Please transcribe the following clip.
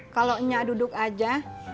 kalau minyak duduk aja